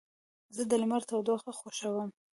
زه د لمر تودوخه خوښوم.